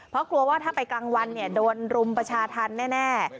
เพราะกลัวว่าถ้าไปกลางวันโดนรุมประชาธรรมแน่